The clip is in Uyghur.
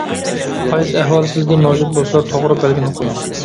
قايسى ئەھۋال سىزدە مەۋجۇت بولسا «توغرا» بەلگىنى قويۇڭ.